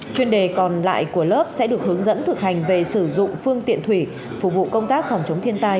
chuyên đề còn lại của lớp sẽ được hướng dẫn thực hành về sử dụng phương tiện thủy phục vụ công tác phòng chống thiên tai